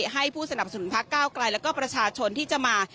ให้ผู้สนับสนุนพักเก้าไกลแล้วก็ประชาชนที่จะมา